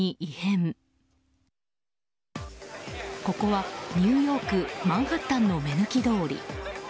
ここはニューヨークマンハッタンの目抜き通り。